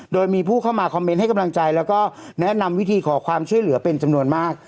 โดยมีผู้เข้ามาคอมเมนต์ให้กำลังใจแล้วก็แนะนำวิธีขอความช่วยเหลือเป็นจำนวนมาก